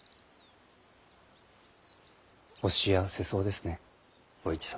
お幸せそうですねお市様。